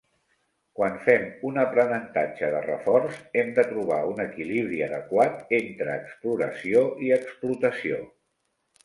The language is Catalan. Quan fem un aprenentatge de reforç, hem de trobar un equilibri adequat entre exploració i explotació.